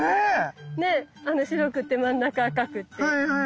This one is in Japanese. ね白くて真ん中赤くて。